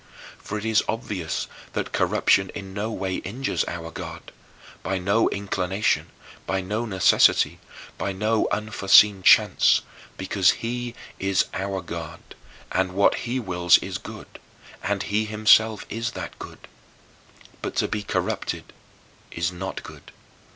For it is obvious that corruption in no way injures our God, by no inclination, by no necessity, by no unforeseen chance because he is our God, and what he wills is good, and he himself is that good. But to be corrupted is not good.